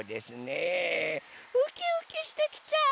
ウキウキしてきちゃう！